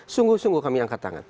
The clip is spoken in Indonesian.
sungguh sungguh kami angkat tangan